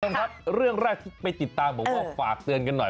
คุณผู้ชมครับเรื่องแรกที่ไปติดตามบอกว่าฝากเตือนกันหน่อย